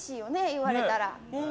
言われたら。